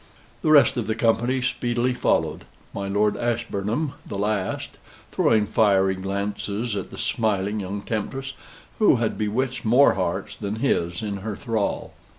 The rest of the company speedily followed, my Lord Ashburnham the last, throwing fiery glances at the smiling young temptress, who had bewitched more hearts than his in her thrall.